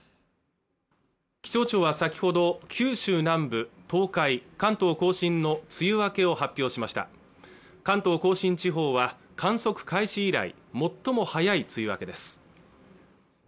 気象庁は先ほど九州南部東海関東甲信の梅雨明けを発表しました関東甲信地方は観測開始以来最も早い梅雨明けです